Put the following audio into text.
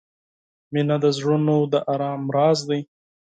• مینه د زړونو د آرام راز دی.